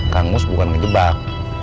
kangus bukan ngejebak